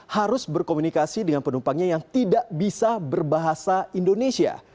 harus berkomunikasi dengan penumpangnya yang tidak bisa berbahasa indonesia